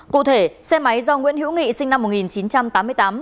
cụ thể xe máy do nguyễn hữu nghị sinh năm một nghìn chín trăm tám mươi tám